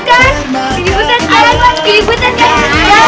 ayolah pilih butet ya